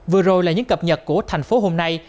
vừa rồi là những cập nhật của thành phố hôm nay